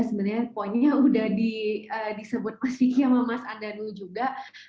sebenarnya poinnya udah disebut masih sama mas andanu juga